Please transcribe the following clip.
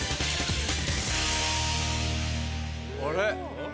あれ？